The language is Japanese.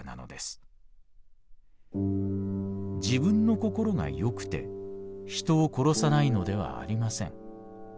自分の心がよくて人を殺さないのではありません。